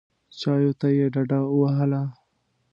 چایو ته یې ډډه ووهله.